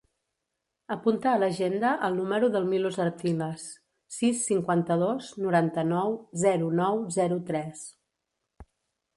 Apunta a l'agenda el número del Milos Artiles: sis, cinquanta-dos, noranta-nou, zero, nou, zero, tres.